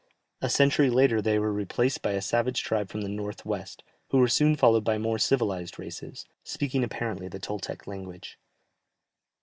A century later they were replaced by a savage tribe from the north west, who were soon followed by more civilized races, speaking apparently the Toltec language.